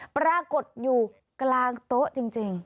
ปรากฏอยู่กลางโต๊ะจริง